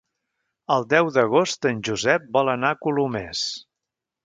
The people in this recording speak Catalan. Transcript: El deu d'agost en Josep vol anar a Colomers.